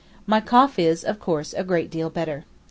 My cough is, of course, a great deal better.